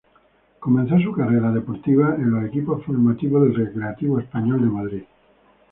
Comenzó su carrera deportiva en los equipos formativos del Recreativo Español de Madrid.